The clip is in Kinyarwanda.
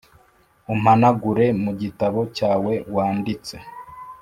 umpanagure e mu gitabo cyawe wanditse